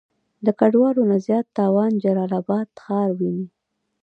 د ګډوالو نه زيات تاوان جلال آباد ښار وينئ.